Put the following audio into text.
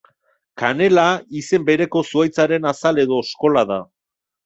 Kanela izen bereko zuhaitzaren azal edo oskola da.